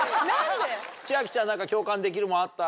千秋ちゃん何か共感できるもんあった？